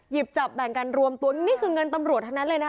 หยิบจับแบ่งกันรวมตัวนี่คือเงินตำรวจทั้งนั้นเลยนะคะ